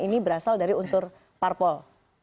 ini berasal dari unsur parpol